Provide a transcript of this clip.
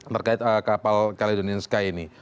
terkait kapal caledonian sky ini